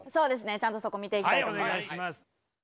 ちゃんとそこ見ていきたいと思います。